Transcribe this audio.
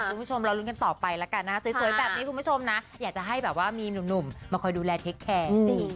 คุณผู้ชมเรารุ้นกันต่อไปแล้วกันนะคะสวยแบบนี้คุณผู้ชมนะอยากจะให้แบบว่ามีหนุ่มมาคอยดูแลเทคแคร์